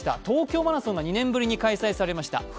東京マラソンが２年ぶりに開催されました。